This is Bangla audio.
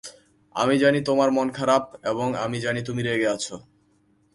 আমি জানি তোমার মন খারাপ, এবং আমি জানি তুমি রেগে আছো।